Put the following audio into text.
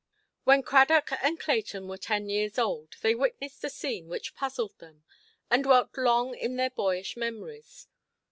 When Cradock and Clayton were ten years old, they witnessed a scene which puzzled them, and dwelt long in their boyish memories.